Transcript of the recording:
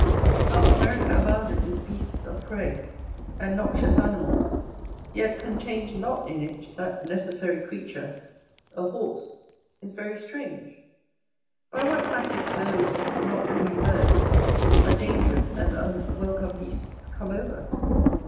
How America abounded with beasts of prey, and noxious animals, yet contained not in it that necessary creature, a horse, is very strange. By what passage those, not only birds, but dangerous and unwelcome beasts, come over.